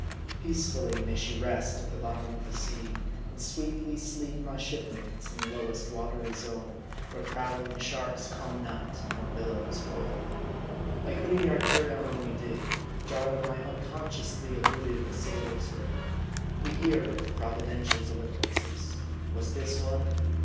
Peacefully may she rest at the bot tom of the sea ; and sweetly sleep my shipmates in the lowest watery zone, where prowling sharks come not, nor billows roll. MARDI. 39 By quitting the Arcturion when we did, Jarl and I un consciously eluded a sailor's grave. We hear of providential deliverances. Was this one